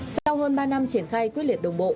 sau hơn ba năm triển khai quyết liệt đồng bộ